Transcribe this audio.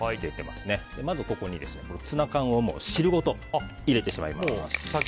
まずここにツナ缶を汁ごと入れてしまいます。